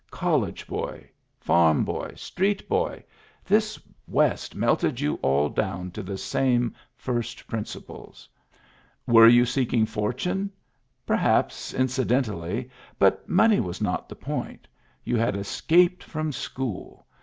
College boy, farm boy, street boy, this West melted you all down to the same first principles. Were you seeking fortune? Perhaps, incidentally, but money was not the point ; you had escaped from school.